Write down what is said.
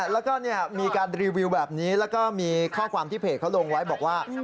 แล้วก็มีการรีวิวแบบนี้แล้วก็มีข้อความที่เพจเขาลงไว้บอกว่า